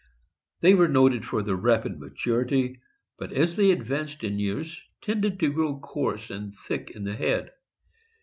They were noted for their rapid maturity, but as they advanced in years tended to grow coarse and thick in head.